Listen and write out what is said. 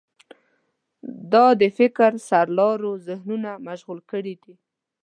دا د فکر سرلارو ذهنونه مشغول کړي دي.